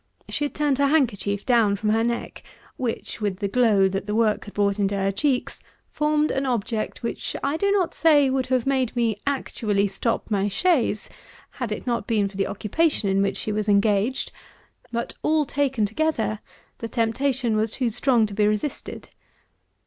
She had turned her handkerchief down from her neck, which, with the glow that the work had brought into her cheeks, formed an object which I do not say would have made me actually stop my chaise, had it not been for the occupation in which she was engaged; but, all taken together, the temptation was too strong to be resisted.